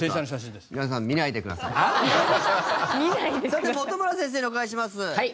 さて本村先生にお伺いします。